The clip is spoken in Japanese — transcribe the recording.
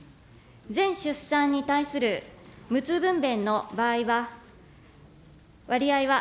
全出産に対する無痛分娩の場合は、割合は、